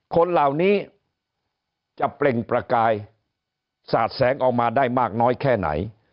คนเหล่านี้จะเปล่งประกายสาดแสงออกมาได้มากน้อยแค่ไหน